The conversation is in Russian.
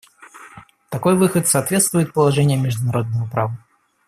Такой выход соответствует положениям международного права.